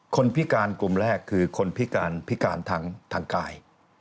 คนพิการกลุ่มแรกคือคนพิการทางกาย